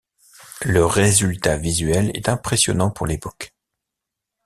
Le résultat visuel est impressionnant pour l'époque.